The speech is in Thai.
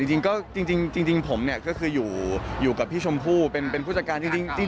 จริงผมก็คืออยู่กับพี่ชมพู่เป็นผู้จัดการ